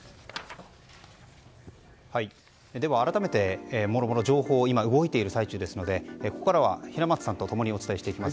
では、改めてもろもろ情報を動いている最中ですがここからは平松さんと共にお伝えしていきます。